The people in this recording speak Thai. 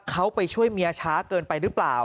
เขาไปช่วยเมียช้าเกินไปหรือเปล่า